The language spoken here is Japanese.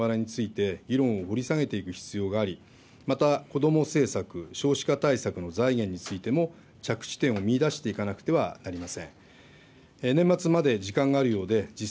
特に、先月の概算要求で事項要求となっている事柄について議論を掘り下げていく必要があり、また、こども政策、少子化対策の財源についても着地点を見いだしていかなくてはなりません。